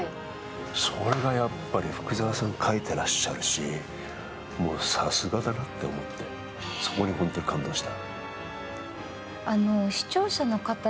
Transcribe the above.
それが福澤さんが書いていらっしゃるし、さすがだなって思って、そこにほんと、感動した。